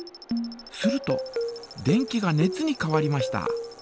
すると電気が熱に変わりました。